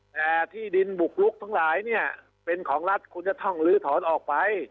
แต่ที่ดินบุกลุกทั้งหลายเนี่ยเป็นของรัฐคุณจะต้องลื้อถอนออกไป